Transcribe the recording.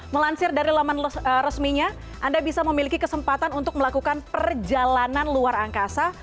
melansir dari laman resminya anda bisa memiliki kesempatan untuk melakukan perjalanan luar angkasa